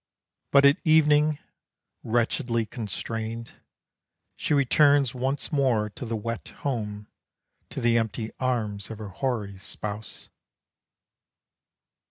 But at evening, wretchedly constrained, She returns once more To the wet home, to the empty arms Of her hoary spouse.